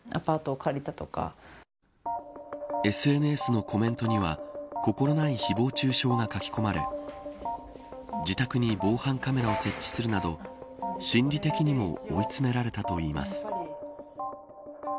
ＳＮＳのコメントには心ない誹謗中傷が書き込まれ自宅に防犯カメラを設置するなど心理的にも追い詰められたといいます。